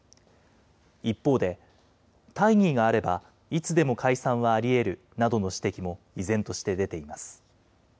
一方で、大義があればいつでも解散はありえるなどの指摘も依然として出ています。